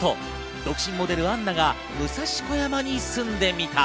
独身モデル・アンナが武蔵小山に住んでみた。